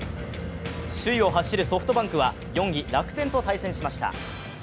首位を走るソフトバンクは４位・楽天と対戦しました。